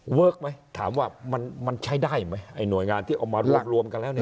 ฮะเวิร์กไหมถามว่ามันมันใช้ได้ไหมไอ้หน่วยงานที่ออกมารวบรวมกันแล้วเนี้ย